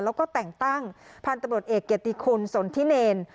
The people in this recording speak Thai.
แล้วก็แต่งตั้งพันธุ์ตำรวจเอกเกียรติคุณสนทิเนร